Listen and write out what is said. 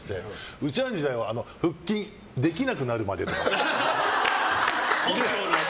うちらの時代は腹筋、できなくなるまでとか。